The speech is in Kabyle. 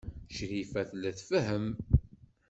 Crifa tella tfehhem.